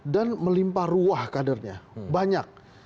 dan melimpa ruah kadernya banyak